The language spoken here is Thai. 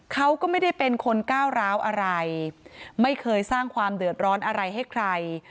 เขาก็ไม่ได้เป็นคนก้าวร้าวอะไรไม่เคยสร้างความเดือดร้อนอะไรให้ใคร